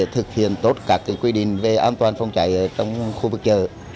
thực hiện tốt các quy định về an toàn phòng cháy trong khu vực chợ